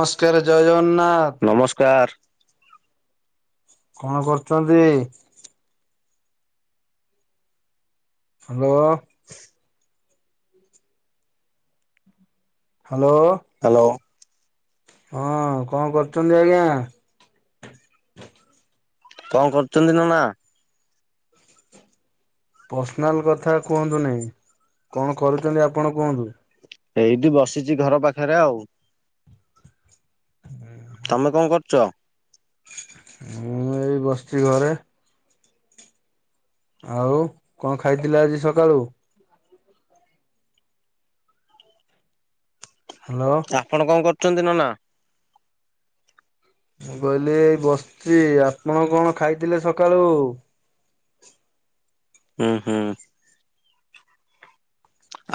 ମସ୍କାରେ ଜୟ ଜଗନ୍ନାଥ। ନମସ୍କାର। କଣ କରୁଚନ୍ତି? ହ୍ୟାଲୋ। [unintelligible] ହ୍ୟାଲୋ। ହ୍ୟାଲୋ। ହଁ କଣ କରୁଚନ୍ତି ଆଜ୍ଞା? କଣ କରୁଚନ୍ତି ନନା? ପର୍ସନାଲ କଥା କୁହନ୍ତୁ ନେଇ କଣ କରୁଚନ୍ତି ଆପଣ କୁହନ୍ତୁ? ଏଇଠି ବସିଚି ଘର ପାଖରେ ଆଉ। ହୁଁ। ତମେ କଣ କରୁଚ? ମୁଁ ଏଇ ବସିଚି ଘରେ। ଆଉ କଣ ଖାଇଥିଲେ ଆଜି ସକାଳୁ? ହ୍ୟାଲୋ। ଆପଣ କଣ କରୁଚନ୍ତି ନନା? ମୁଁ କହିଲି ଏଇ ବସିଚି ଆପଣ କଣ ଖାଇଥିଲେ ସକାଳୁ। ହୁଁ ହୁଁ।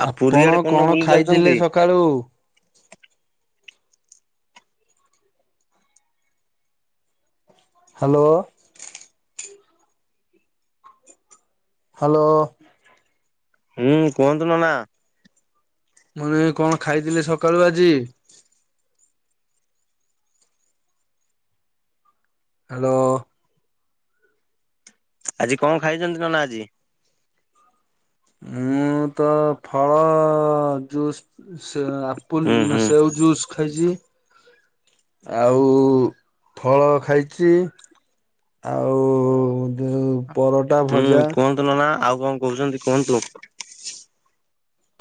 ଆଉ ପୁରୀ ଆପଣ ଆଡେ କୋଉଦିନ କଣ ବୁଲି ଖାଇଥିଲେ ଯାଉଛନ୍ତି? ସକାଳୁ? ହ୍ୟାଲୋ। ହ୍ୟାଲୋ। ହୁଁ କୁହନ୍ତୁ ନନା। ମୁ ନି କଣ ଖାଇଥିଲେ ସକାଳୁ ଆଜି? ହ୍ୟାଲୋ। ଆଜି କଣ ଖାଇଚନ୍ତି ନନା ଆଜି? ମୁଁ ତ ଫଳ ଜୁସ ସ ଆପୁଲ ହୁଁ ନା ହୁଁ ସେଉ ଜୁସ ଖାଇଚି। ଆଉ ଫଳ ଖାଇଚି। ଆଉ ଯୋଉ ପର ହୁଁ କୁହନ୍ତୁ ନନା ଆଉ କଣ କହୁଚନ୍ତି କୁହନ୍ତୁ।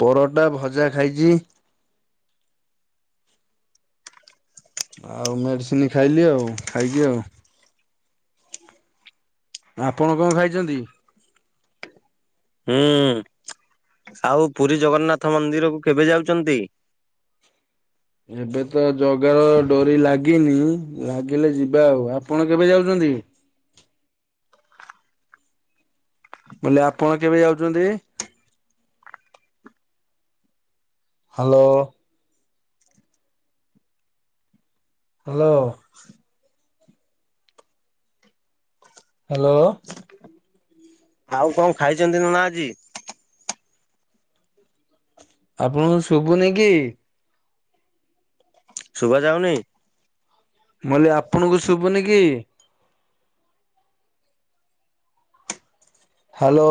ପରଟା ଭଜା ଖାଇଚି। ଆଉ ମେଡ଼ିସିନ ଖାଇଲି ଆଉ ଖାଇକି ଆଉ। ଆପଣ କଣ ଖାଇଚନ୍ତି? ହୁଁ ସାଉ ପୁରୀ ଜଗନ୍ନାଥ ମନ୍ଦିରକୁ କେବେ ଯାଉଚନ୍ତି? ଏବେ ତ ଜଗାର ଡୋରି ଲାଗିନି ଲାଗିଲେ ଯିବା ଆଉ, ଆପଣ କେବେ ଯାଉଚନ୍ତି? ମୁଁ କହିଲି ଆପଣ କେବେ ଯାଉଚନ୍ତି? ହ୍ୟାଲୋ। ହ୍ୟାଲୋ। ହ୍ୟାଲୋ। ଆଉ କଣ ଖାଇଚନ୍ତି ନନା ଆଜି? ଆପଣଙ୍କୁ ଶୁଭୁନି କି? ଶୁଭା ଯାଉନି। ମୁଁ କହିଲି ଆପଣଙ୍କୁ ଶୁଭୁନି କି? ହ୍ୟାଲୋ।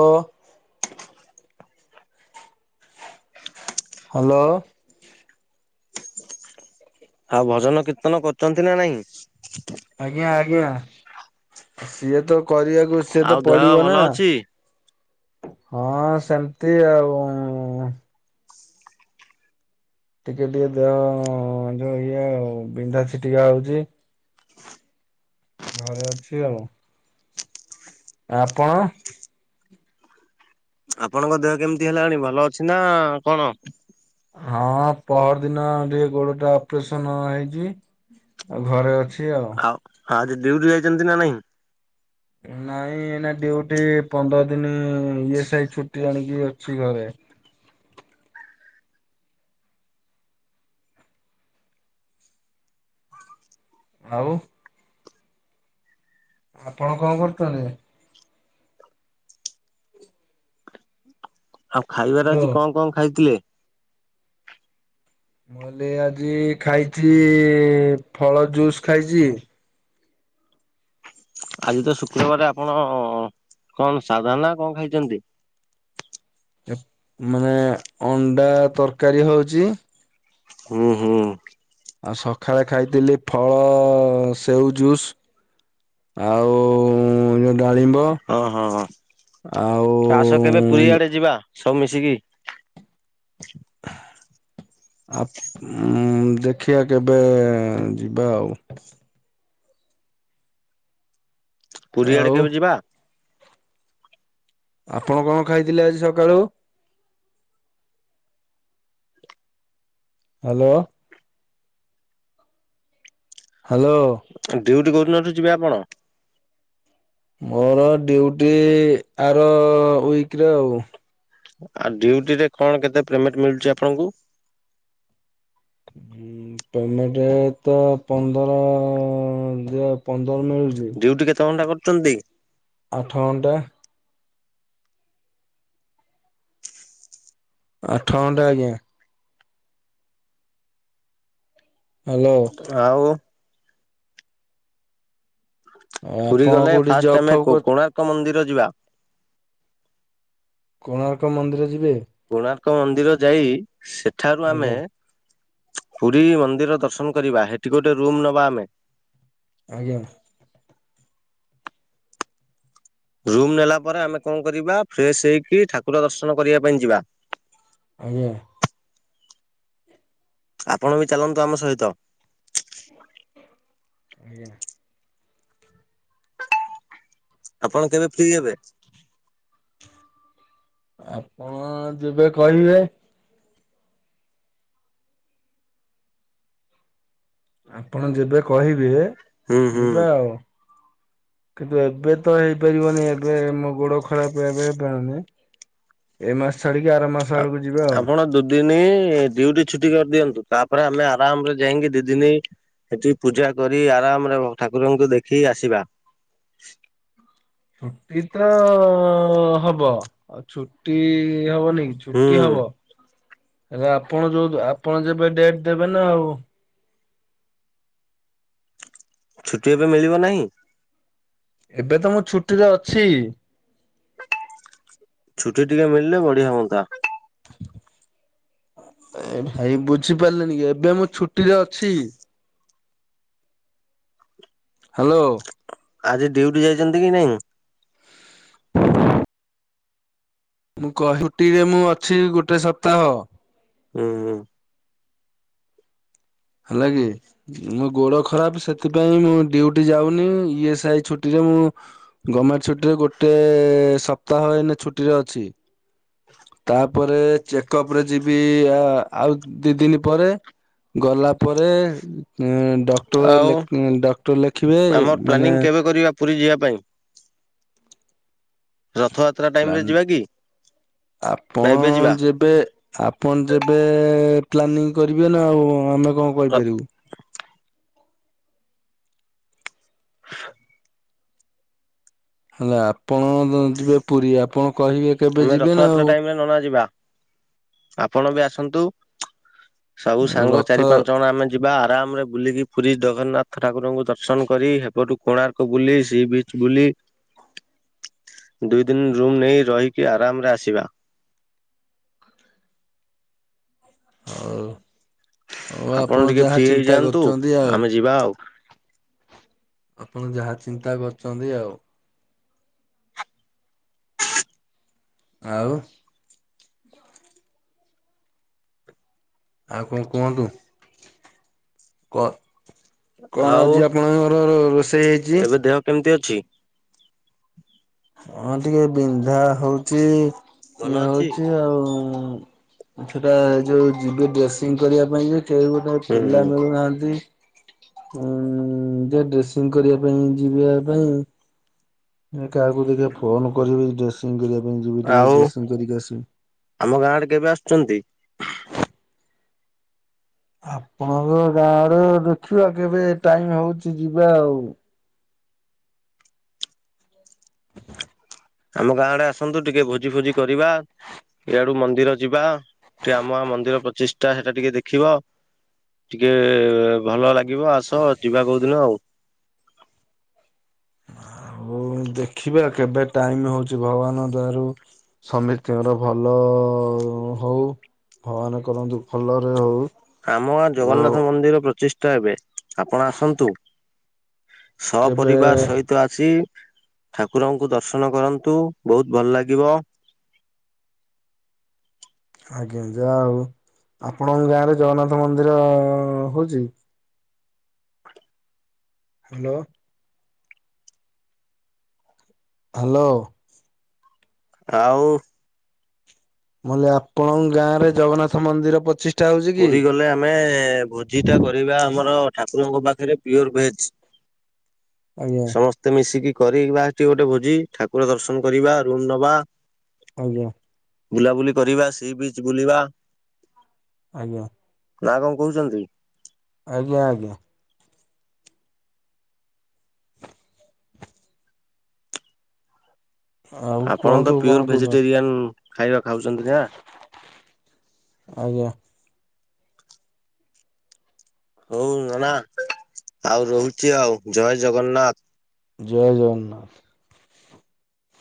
ହ୍ୟାଲୋ। ଆଉ ଭଜନ କୀର୍ତ୍ତନ କରୁଛନ୍ତି ନା ନାଇଁ? ଆଜ୍ଞା ଆଜ୍ଞା ସିଏ ତ କରିବାକୁ ସେତ ଆଉ ଦେହ ପଡିବ ଭଲ ନା ଅଛି? ହଁ ସେମିତି ଆଉ। ଟିକେ ଟିକେ ଦେହ ଯୋଉ ଇଏ ଆଉ ବିନ୍ଧା ଛିଟିକା ହୋଉଛି। ଘରେ ଅଛି ଆଉ। ଆପଣ? ଆପଣଙ୍କ ଦେହ କେମିତି ହେଲାଣି ଭଲ ଅଛି ନା କଣ? ହଁ ପହର ଦିନ ଟିକେ ଗୋଡ଼ ଟା ଅପରେସନ୍ ହେଇଛି ଆଉ ଘରେ ଅଛି। କି ଆଉ। ହଁ ଆଜି ଡିଉଟି ଯାଇଛନ୍ତି ନା ନାହିଁ? ନାଇଁ ଏ ନା ଡ଼ିଉଟି ପନ୍ଦର ଦିନ ଇ ଏସ୍ ଆଇ ଛୁଟି ଆଣିକି ଅଛି ଘରେ। ଆଉ ଆପଣ କଣ କରୁଛନ୍ତି? ଆଉ ଖାଇବାରେ ହ୍ୟାଲୋ। ଆଜି କଣ କଣ ଖାଇଥିଲେ? ମୁଁ ହେଲି ଆଜି ଖାଇଛି ଫଳ ଜୁସ୍ ଖାଇଛି। ଆଜି ତ ଶୁକ୍ରବାରେ ଆପଣ କଣ ସାଧ ନା କଣ ଖାଇଛନ୍ତି? ମାନେ ଅଣ୍ଡା ତରକାରୀ ହଉଚି। ହୁଁ ହୁଁ। ଆଉ ସକାଳେ ଖାଇଥିଲି ଫଳ ସେଉ ଜୁସ୍। ଆଉ ଯୋଉ ଡାଳିମ୍ବ ହଁ ହଁ ଆସ କେବେ ପୁରୀ ଆଉ ଆଡେ ଯିବା ସବୁ ମିଶିକି। ଆ ଦେଖିବା କେବେ ଯିବା ଆଉ। ପୁରୀଆଡେ ଆଉ କେବେ ଯିବା? ଆପଣ କଣ ଖାଇଥିଲେ ଆଜି ସକାଳୁ। ହ୍ୟାଲୋ। ହ୍ୟାଲୋ। ଡ଼ିଉଟି କୋଉଦିନଠୁ ଯିବେ ଆପଣ? ମୋର ଡିଉଟି ଆର ୱିକ୍‌ରେ ଆଉ। ଆଉ ଡ଼ିଉଟି ରେ କଣ କେତେ ପେମେଣ୍ଟ ମିଳୁଛି ଆପଣଙ୍କୁ? ହୁଁ ପେମେଣ୍ଟ ତ ପନ୍ଦର ଦିଅ ପନ୍ଦର ମିଳୁଛି। ଡିଉଟି କେତେ ଘଣ୍ଟା କରୁଛନ୍ତି? ଆଠ ଘଣ୍ଟା। ଆଠ ଘଣ୍ଟା ଆଜ୍ଞା। ହ୍ୟାଲୋ। ଆଉ ପୁରୀ ଆପଣ ଗଲେ କୋଉଠି ଫାଷ୍ଟ ଜବ୍ ଆମେ ଫବ୍ କର କୋଣାର୍କ ମନ୍ଦିର ଯିବା। କୋଣାର୍କ ମନ୍ଦିର ଯିବେ। କୋଣାର୍କ ମନ୍ଦିର ଯାଇ ସେଠାରୁ ଆମେ ଆଜ୍ଞା ପୁରୀ ମନ୍ଦିର ଦର୍ଶନ କରିବା ହେଠି ଗୋଟେ ରୁମ୍ ନବା ଆମେ। ଆଜ୍ଞା। ରୁମ୍ ନେଲା ପରେ ଆମେ କଣ କରିବା ଫ୍ରେଶ ହେଇକି ଠାକୁର ଦର୍ଶନ କରିବା ପାଇଁ ଯିବା। ଆଜ୍ଞା। ଆପଣ ବି ଚାଲନ୍ତୁ ଆମ ସହିତ। ଆଜ୍ଞା। ଆପଣ କେବେ ଫ୍ରି ହେବେ? ଆପଣ ଯେବେ କହିବେ। ଆପଣ ଯେବେ କହିବେ ହୁଁ ହୁଁ ଯିବା ଆଉ। କିନ୍ତୁ ଏବେ ତ ହେଇପାରିବନି ଏବେ ଆମ ଗୋଡ ଖରାପ ଏବେ ହେଇପାରନି। ଏ ମାସ ଛାଡିକି ଆର ମାସ ଆଡକୁ ଯିବା ଆଉ। ଦିନେ ଡିଉଟି ଛୁଟି କରିଦିଅନ୍ତୁ। ତାପରେ ଆମେ ଆରାମରେ ଯାଇକି ଦି ଦିନି। ସେଠି ପୂଜା କରି ଆରାମରେ ଠାକୁରଙ୍କୁ ଦେଖି ଆସିବା। ଛୁଟି ତ ହବ। ଆଉ ଛୁଟି ହବନି କି। ହୁଁ। ଛୁଟି ହବ। ହେଲେ ଆପଣ ଯୋଉ ଆପଣ ଯେବେ ଡେଟ୍ ଦେବେ ନା ଆଉ। ଛୁଟି ଏବେ ମିଳିବ ନାହିଁ? ଏବେ ତ ମୁଁ ଛୁଟିରେ ଅଛି। ଛୁଟି ଟିକେ ମିଳିଲେ ବଢିଆ ହୁଅନ୍ତା। ଏ ଭାଇ ବୁଝିପାରିଲେନି କି? ଏବେ ମୁଁ ଛୁଟିରେ ଅଛି। ହ୍ୟାଲୋ। ଆଜି ଡିୟୁଟି ଯାଇଚନ୍ତି କି ନାଇଁ? ହ [unintelligible] ମୁଁ କହ ଛୁଟି ରେ ମୁଁ ଅଛି ଗୋଟେ ସପ୍ତାହ। ଉଁ ଉଁ। ହେଲା କିି? ମୋ ଗୋଡ ଖରାପ୍ ସେଥିପାଇଁ ମୁଁ ଡିଉଟି ଯାଉନି ଇ ଏସ୍ ଆଇ ଛୁଟିରେ ମୁଁ- - ଗମେଣ୍ଟ ଛୁଟିରେ ଗୋଟେ ସପ୍ତାହ ଏନେ ଛୁଟିରେ ଅଛି। ତାପରେ ଚେକଅପ ରେ ଯିବି ଆଉ ଦି ଦିନି ପରେ। ଗଲା ପରେ ଆଉ ଡକ୍ଟର ଉଁ ଡକ୍ଟର ଲେଖିବେ ଆମର ପ୍ଲାନିଂ ମାନେ- - କେବେ କରିବା ପୁରୀ ଯିବା ପାଇଁ। ରଥଯାତ୍ରା ଟାଇମ ରେ ଯିବା କି? ନା ଏବେ ଯିବା। ଏବେ ଆପଣ ଯେବେ ପ୍ଲାନିଂ କରିବେ ନା ଆଉ ଆମେ କଣ କହିପାରିବୁ। ହେଲେ ଆପଣ ଯିବେ ପୁରୀ ଆପଣ କହିବେ। କେବେ ଆମେ ଯିବେ ନା ରଥଯାତ୍ରା ଆଉ ଟାଇମ ରେ ନନା ଯିବା ଆପଣ ବି ଆସନ୍ତୁ। ସବୁ ସାଙ୍ଗ ରଥ ଚାରି ପାଞ୍ଚ ଜଣ ଆମେ - - ଯିବା ଆରାମରେ ବୁଲିକି ପୁରୀ ଜଗନ୍ନାଥ ଠାକୁରଙ୍କୁ ଦର୍ଶନ କରି ହେ ପଟୁ କୋଣାର୍କ ବୁଲି ସି ବି ବୁଲି ଦୁଇ ଦିନ ରୁମ୍ ନେଇ ରହିକି ଆରାମରେ ଆସିବା। ହଉ, ହଉ ଆପଣ ଟିକେ ଯାହା ଫ୍ରି ଚିନ୍ତା ହେଇଯାଆନ୍ତୁ କରଚନ୍ତି ଆଉ। ଆମେ ଯିବା ଆଉ। ଆପଣ ଯାହା ଚିନ୍ତା କରିଚନ୍ତି ଆଉ। ଆଉ ଆଉ କଂ କୁହନ୍ତୁ? କଣ ଆଉ ଆଜି ଆପଣଙ୍କରର ରୋଷେଇ ହେଇଚି। ଏବେ ଦେହ କେମିତି ଅଛି? ହଁ ଟିକେ ବିନ୍ଧା ହଉଚି ଭଲ ଇଏ ଅଛି? ହଉଚି ଆଉ। ସେଟା ଯୋଉ ଯିବେ ଡ୍ରେସିଂ କରିବା ପାଇଁ ଯେ କେହି ଗୋଟେ ହୁଁ ହୁଁ ପିଲା ମିଳୁନାହାନ୍ତି। ଉଁ ଯିଏ ଡ୍ରେସିଂ କରିବା ପାଇଁ ଯିବା ପାଇଁ। କାହାକୁ ଟିକେ ଫୋନ କରିବି ଡ୍ରେସିଂ କରିବା ପାଇଁ ଯିବି ଟିକେ ଆଉ ଡ୍ରେସିଂ କରିକି ଆସିବି। ଆମ ଗାଁ ଆଡେ କେବେ ଆସୁଚନ୍ତି? ଆପଣଙ୍କ ଗାଁ ଆଡେ, ଦେଖିବା କେବେ ଟାଇମ ହଉଛି ଯିବା ଆଉ। ହ [inaudible] ଆମ ଗାଁ ଆଡେ ଆସନ୍ତୁ, ଟିକେ ଭୋଜି ଫୋଜି କରିବା ଇଆଡୁ ମନ୍ଦିର ଯିବା, ଟିକେ ଆମ ଗାଁ ମନ୍ଦିର ପ୍ରଚିଷ୍ଠା ସେଇଟା ଟିକେ ଦେଖିବ ଟିକେ ଏ ଭଲ ଲାଗିବ ଆସ ଯିବା କୋଉଦିନ ଆଉ। ହଉ ଦେଖିବା, କେବେ ଟାଇମ ହଉଛି ଭଗବାନ ଦୟାରୁ ସମିସ୍ତିଙ୍କର ଭଲ ଅ ହଉ, ଭଗବାନ କରନ୍ତୁ ଭଲରେ ହଉ ଆମ ଗାଁ ଜଗନ୍ନାଥ ଓ ମନ୍ଦିର ପ୍ରଚିଷ୍ଟା ହେବେ, ଆପଣ ଆସନ୍ତୁ? କେବେ ସପରିବାର ସହିତ ତ ଆସି, ଠାକୁରଙ୍କୁ ଦର୍ଶନ କରନ୍ତୁ, ବହୁତ ଭଲ ଲାଗିବ ଆଜ୍ଞା। ଯାହା ହଉ, ଆପଣଙ୍କ ଗାଁରେ ଜଗନ୍ନାଥ ମନ୍ଦିର ଅ ହଉଛି? ହାଲୋ। ହାଲୋ। ଆଉ ମୁଁ କହିଲି ଆପଣଙ୍କ ଗାଁରେ ଜଗନ୍ନାଥ ମନ୍ଦିର ପଚିଷ ପୁରୀ ଗଲେ ଆମେ ଭୋଜିଟା କରିବା ଆମର ଠାକୁରଙ୍କ ପାଖେରେ ପିଓର ଭେଜ। ଆଜ୍ଞା ସମସ୍ତେ ମିଶିକି କରିବା ସେଠି ଗୋଟେ ଭୋଜି, ଠାକୁର ଦର୍ଶନ କରିବା, ରୁମ ନବା ଆଜ୍ଞା। ବୁଲାବୁଲି କରିବା, ସିବିଚ୍ ବୁଲିବା ଆଜ୍ଞା। ନା କଣ କହୁଛନ୍ତି? ଆଜ୍ଞା, ଆଜ୍ଞା। ଆଉ ଆପଣ ତ କୁହନ୍ତୁ କଣ ପିଓର କହୁଛ ଭେଜିଟେରିଆନ ଖାଇବା ଖାଉଛନ୍ତି ନା? ଆଜ୍ଞା। ହଉ ନନା, ଆଉ ରହୁଛି ଆଉ ଜୟ ଜଗନ୍ନାଥ। ଜୟ ଜଗନ୍ନାଥ।